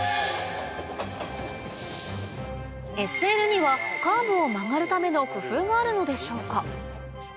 ＳＬにはカーブを曲がるための工夫があるのでしょうか？